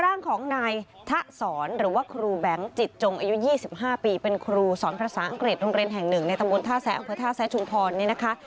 ร่างของนายทะสอนหรือว่าครูแบงค์จิตจงอายุ๒๕ปีเป็นครูสอนภาษาอังกฤษโรงเรียนแห่งหนึ่งในตำบลท่าแซะอำเภอท่าแซะชุมพรนี่นะคะ